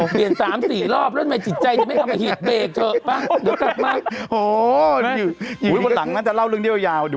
เปลี่ยน๓๔รอบแล้วทำไมจิตใจยังไม่เอามาหิด